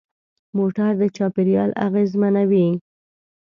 موټر د چاپېریال اغېزمنوي.